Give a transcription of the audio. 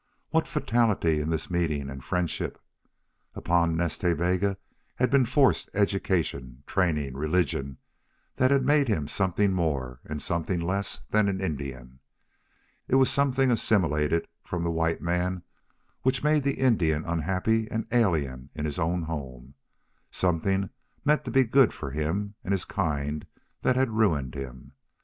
What fatality in this meeting and friendship! Upon Nas Ta Bega had been forced education, training, religion, that had made him something more and something less than an Indian. It was something assimilated from the white man which made the Indian unhappy and alien in his own home something meant to be good for him and his kind that had ruined him.